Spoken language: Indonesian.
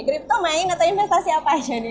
gripto main atau investasi apa aja nih